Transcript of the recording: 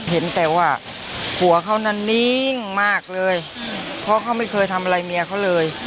เห็นแต่ว่าผัวเขานั้นนิ่งมากเลยเพราะเขาไม่เคยทำอะไรเมียเขาเลย